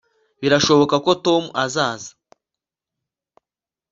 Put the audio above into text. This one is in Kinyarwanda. birashoboka ko tom azaza